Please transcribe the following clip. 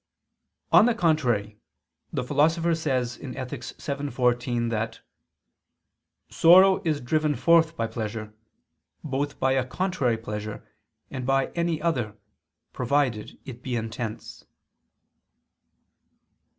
On the contrary, The Philosopher says (Ethic. vii, 14) that "sorrow is driven forth by pleasure, both by a contrary pleasure and by any other, provided it be intense."